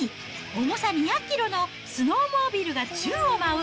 重さ２００キロのスノーモービルが宙を舞う！